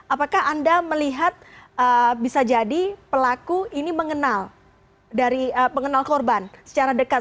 apakah anda melihat bisa jadi pelaku ini mengenal korban secara dekat